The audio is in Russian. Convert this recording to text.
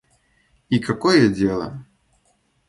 И какое дело...